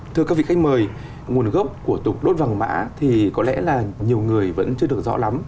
thưa các vị khách mời nguồn gốc của tục đốt vàng mã thì có lẽ là nhiều người vẫn chưa được rõ lắm